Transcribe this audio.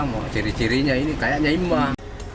tidak ada ciri cirinya ini kayaknya imbah